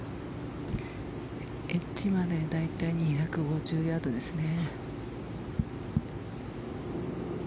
エッジまで大体２５０ヤードですね。